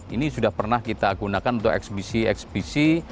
ini sudah pernah kita gunakan untuk eksbisi ekspisi